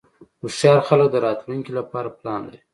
هوښیار خلک د راتلونکې لپاره پلان لري.